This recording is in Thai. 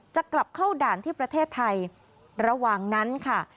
จะกลับเข้าด่านที่ประเทศไทยระหว่างนั้นค่ะ